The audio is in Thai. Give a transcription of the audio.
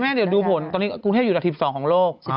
เดี๋ยวดูผลตอนนี้กรุงเทพอยู่อันดับ๑๒ของโลก